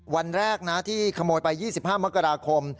วันแรกนะที่ขโมยไป๒๕มกราคม